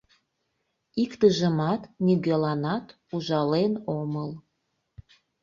Иктыжымат нигӧланат ужален омыл.